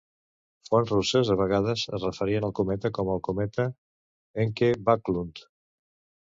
Fonts russes a vegades es referien al cometa com el cometa Encke-Backlund.